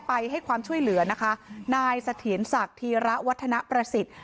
ให้ความช่วยเหลือนะคะนายเสถียรศักดิ์ธีระวัฒนประสิทธิ์